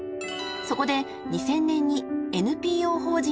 ［そこで２０００年にＮＰＯ法人を設立］